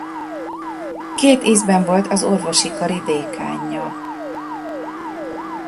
Két ízben volt az orvosi kari dékánja.